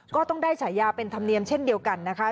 ก็ต้องได้ฉายาเป็นธรรมเนียมเช่นเดียวกันนะคะ